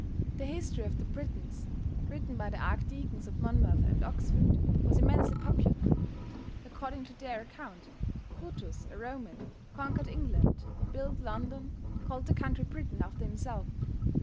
The history of the Britons, written by the Archdeacons of Monmouth and Oxford, was immensely popular. According to their account, Brutus, a Roman, conquered England, built London, called the country Britain after himself.